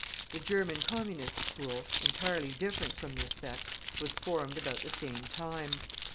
The German Communist school, entirely different from this sect, was formed about the same time.